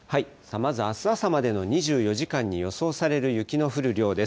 まずあす朝までの２４時間に予想される雪の降る量です。